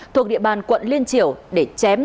thuộc địa bàn quận liên triểu để chém tên